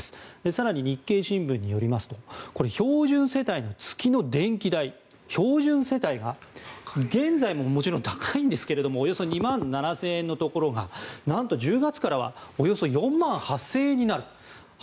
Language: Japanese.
更に日経新聞によりますとこれ、標準世帯の月の電気代標準世帯が現在ももちろん高いんですけどもおよそ２万７０００円のところがなんと１０月からはおよそ４万８０００円になる。